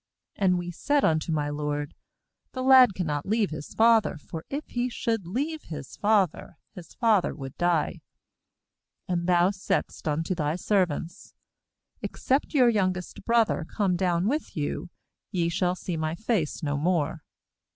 ^And we said unto my lord: The lad cannot leave his father; for if he should leave his father, his father would die. ^And thou saidst unto thy servants: Except your youngest brother come down with you, ye shall see my face no more.